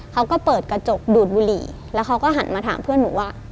เขาก็เปิดกระจกดูดบุหรี่แล้วเขาก็หันมาถามเพื่อนหนูว่า